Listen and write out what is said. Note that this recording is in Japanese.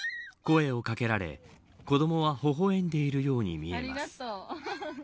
声を掛けられ子どもは微笑んでいるように見えます。